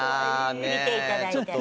見ていただいて。